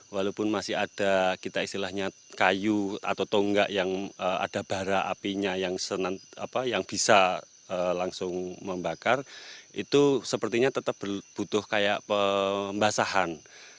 walaupun masih ada kita istilahnya kayu atau tonggak yang ada bara apinya yang bisa langsung membakar itu sepertinya tetap butuh kayak pembasahan